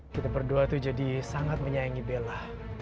kita berdua tuh jadi sangat menyayangi bella